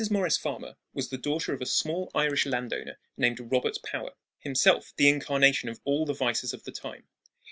Maurice Farmer was the daughter of a small Irish landowner named Robert Power himself the incarnation of all the vices of the time.